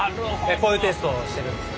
こういうテストをしてるんですね。